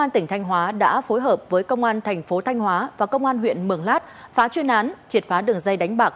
thanh hóa đã phối hợp với công an thành phố thanh hóa và công an huyện mường lát phá chuyên án triệt phá đường dây đánh bạc